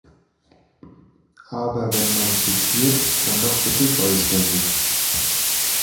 Aber wenn man zitiert, dann doch bitte vollständig.